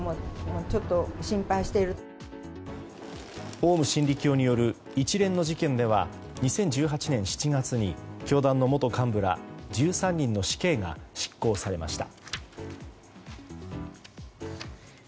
オウム真理教による一連の事件では２０１８年７月に教団の元幹部ら１３人の死刑が執行されました。